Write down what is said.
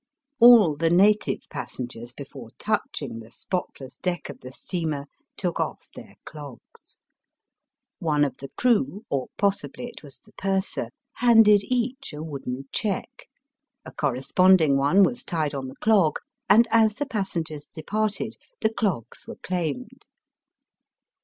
All the native passengers before touching the spotless deck of the steamer took off their clogs. One of the crew, or possibly it was the purser, handed each a wooden check, a corresponding one was tied on the clog, and as the passengers departed the clogs were claimed.